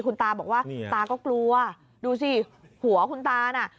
คุณตาบอกว่าตาก็กลัวดูสิหัวคุณตาน่ะ